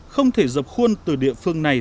không thể dập khuôn từ địa phương này